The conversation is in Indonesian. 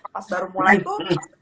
pas baru mulai tuh